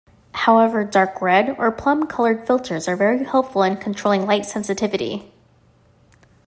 However, dark red or plum colored filters are very helpful in controlling light sensitivity.